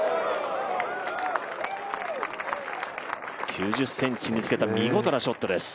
９０ｃｍにつけた見事なショットです。